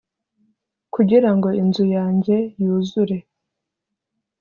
kugira ngo inzu yanjye yuzure